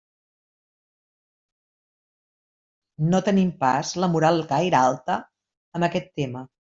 No tenim pas la moral gaire alta amb aquest tema.